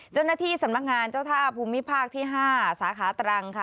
เจ้าหน้าที่สำนักงานเจ้าท่าภูมิภาคที่๕สาขาตรังค่ะ